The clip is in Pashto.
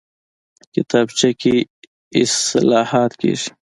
کتابچه کې اصلاحات کېږي